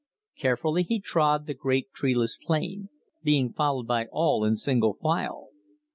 Carefully he trod the great treeless plain, being followed by all in single file.